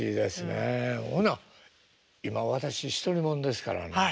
ほな今私独り者ですからね。